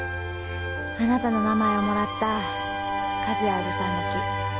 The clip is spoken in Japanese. あなたの名前をもらった和也伯父さんの樹。